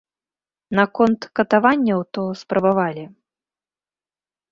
Наконт катаванняў, то спрабавалі.